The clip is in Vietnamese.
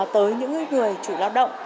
tới những người chủ lao động